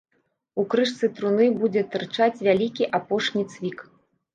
У крышцы труны будзе тырчаць вялікі апошні цвік.